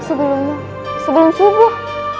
sebelumnya sebelum subuh